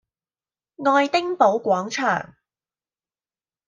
愛丁堡廣場